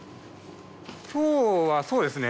今日はそうですね